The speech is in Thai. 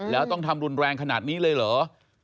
แล้วต้องทำรุนแรงขนาดนี้เลยเหรอ